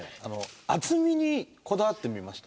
厚みにこだわってみました。